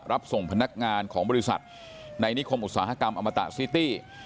รับส่งพนักงานของบริษัทในนิคมอุตสาหกรรมอมตะซิตี้